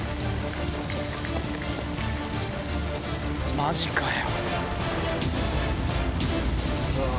マジかよ。